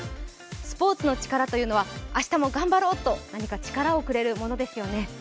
スポーツの力というのは、明日も頑張ろうと何か力をくれるものですよね。